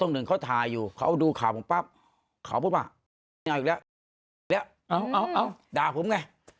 หมอกับลุงพลเสียกัน